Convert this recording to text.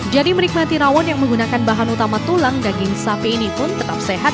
jadi menikmati rawon yang menggunakan bahan utama tulang daging sapi ini pun tetap sehat